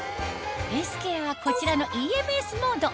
フェイスケアはこちらのＥＭＳモード